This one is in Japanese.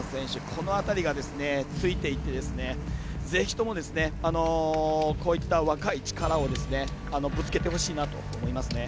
この辺りがついていってぜひともこういった若い力をぶつけてほしいなと思いますね。